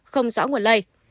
không rõ nguồn lây